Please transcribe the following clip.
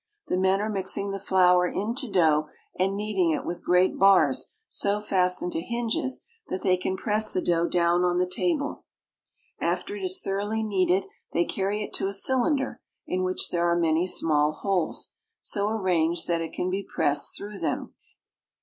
The men are mixing the flour into dough, and kneading it with great bars so fastened to hinges that they can press the dough down on the table. After it is thoroughly kneaded they carry it to a cylinder, in which there are many small holes, so arranged that it can be pressed through them.